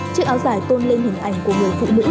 chiếc áo dài tôn lên hình ảnh của người phụ nữ